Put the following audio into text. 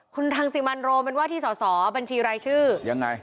คุณรังสิมันโรมเป็นว่าที่สอสอบัญชีรายชื่อยังไง